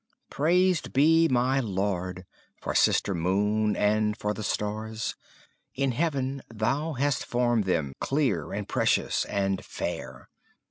Praised be my Lord, for sister moon and for the stars, In heaven Thou hast formed them clear and precious and fair.